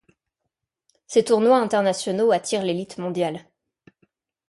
Ces tournois internationaux attirent l'élite mondiale.